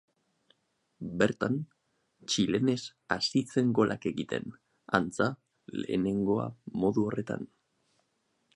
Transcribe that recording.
Bertan, txilenez hasi zen golak egiten, antza, lehenengoa modu horretan.